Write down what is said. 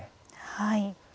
はい。